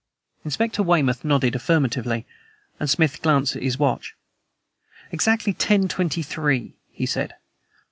Inspector Weymouth nodded affirmatively, and Smith glanced at his watch. "Exactly ten twenty three," he said.